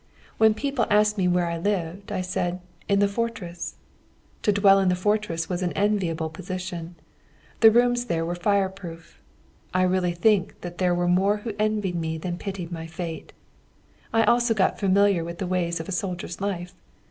When people asked me where I lived, I said 'in the fortress!' To dwell in the fortress was an enviable position. The rooms there were fire proof. I really think that there were more who envied than pitied my fate. I also got familiar with the ways of a soldier's life.